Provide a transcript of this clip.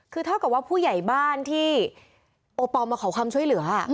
คือเท่ากับว่าผู้ใหญ่บ้านที่โอปอลมาขอความช่วยเหลือ